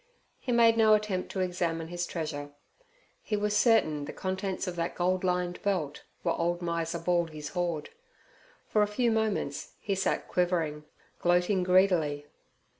He made no attempt to examine his treasure. He was certain the contents of that gold lined belt were old Miser Baldy's hoard. For a few moments he sat quivering, gloating greedily.